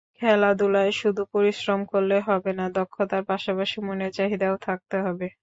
খেলাধুলায় শুধু পরিশ্রম করলে হবে না, দক্ষতার পাশাপাশি মনের চাহিদাও থাকতে হবে।